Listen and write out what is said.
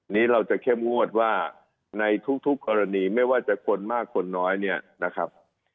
นี้เราจะเข้มงวดว่าในทุกกรณีไม่ว่าจะคนมากคนน้อยเนี่ยนะครับ